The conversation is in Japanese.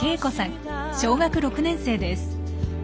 小学６年生です。